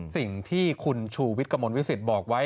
สิ่งที่คุณชูวิทย์กระมวลวิสิตบอกไว้